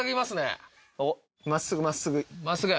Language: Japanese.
真っすぐ真っすぐ。